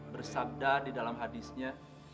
bersabda di dalam hadisnya